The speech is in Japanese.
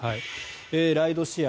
ライドシェア